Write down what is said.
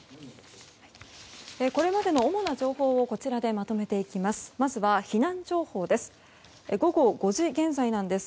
これまでの主な情報をこちらでまとめていきます。